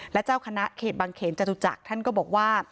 และเจ้าคณะเขตบางเขนจตุจักรท่านก็บอกว่า